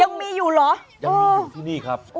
ยังมีอยู่ที่นี่ครับ